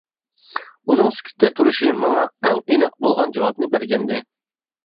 ئۇنىڭ سۈكۈتتە تۇرۇشى، ماڭا ئەڭ ئېنىق بولغان جاۋابنى بەرگەنىدى.